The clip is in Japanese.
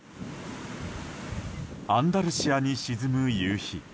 アンダルシアに沈む夕日。